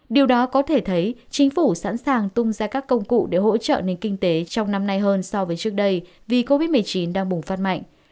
điều đó có thể thấy chính phủ sẵn sàng tung ra các công cụ để hỗ trợ nền kinh tế trong năm nay hơn so với trước đây vì covid một mươi chín đang bùng phát mạnh